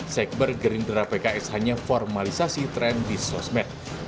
sekber gerindra pks hanya formalisasi tren di sosmed